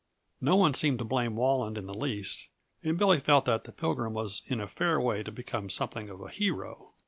No one seemed to blame Walland in the least, and Billy felt that the Pilgrim was in a fair way to become something of a hero.